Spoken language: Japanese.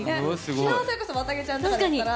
昨日それこそわたげちゃんとかだったら。